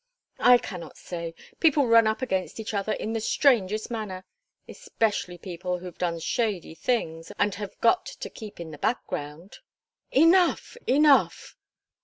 "I cannot say. People run up against each other in the strangest manner, especially people who've done shady things and have got to keep in the background." "Enough! enough!"